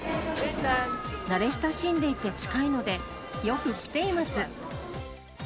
慣れ親しんでいて近いので、よく来ています。